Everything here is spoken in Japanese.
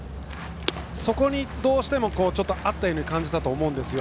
そこにどうしてもあったように感じたと思うんですよ